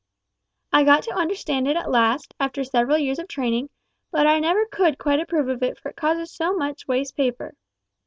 I got to understand it at last, after several years of training, but I never could quite approve of it for it causes so much waste of paper.